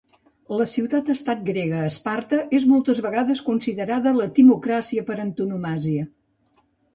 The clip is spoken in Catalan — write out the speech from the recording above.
La ciutat-estat grega Esparta és moltes vegades considerada la timocràcia per antonomàsia.